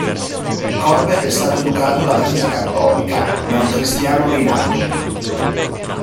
Corbett è stato educato dalla chiesa cattolica, ma è un cristiano rinato.